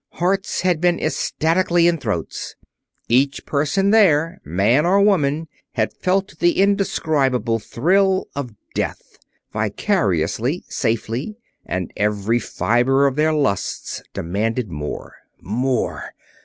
Hearts had been ecstatically in throats. Each person there, man or woman, had felt the indescribable thrill of death vicariously, safely and every fiber of their lusts demanded more. More!